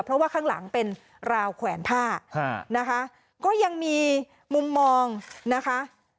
เพราะว่าข้างหลังเป็นราวแขวนผ้านะคะก็ยังมีมุมมองนะคะ